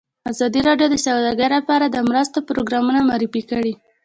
ازادي راډیو د سوداګري لپاره د مرستو پروګرامونه معرفي کړي.